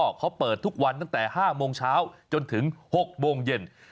เขาเปิดทุกวันตั้งแต่๕โมงเช้าจนถึง๖โมงเย็น